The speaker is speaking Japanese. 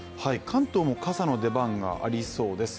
関東も傘の出番がありそうです。